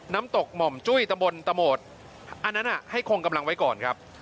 น้ำตกหม่อมจุ้ยตำบลตะโหมดอันนั้นให้คงกำลังไว้ก่อนครับ